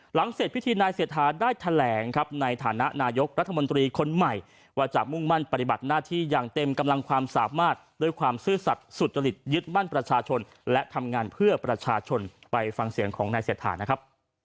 หลังเสร็จพิธีนายเศรษฐาได้แถลงครับในฐานะนายกรัฐมนตรีคนใหม่ว่าจะมุ่งมั่นปฏิบัติหน้าที่อย่างเต็มกำลังความสามารถด้วยความซื่อสัตว์สุจริตยึดมั่นประชาชนและทำงานเพื่อประชาชนไปฟังเสียงของนายเศรษฐานะครับ